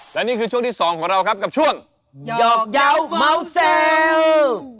และนี่คือช่วงที่สองของเราครับกับช่วง